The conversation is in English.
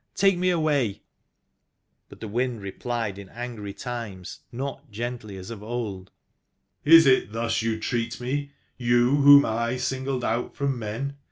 Take me away !" But the Wind replied in angry tones, not gently as of old :" Is it thus you treat me, you whom I singled out from men